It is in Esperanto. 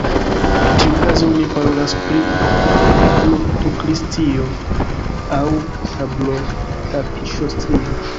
Tiukaze oni parolas pri tablotukstrio aŭ tablotapiŝostrio.